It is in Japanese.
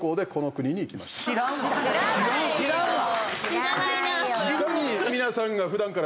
知らないよ！